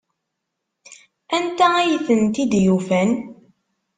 Anta ay tent-id-yufan?